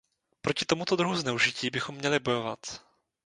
Proti tomuto druhu zneužití bychom měli bojovat.